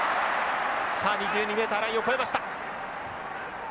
さあ２２ｍラインを越えました。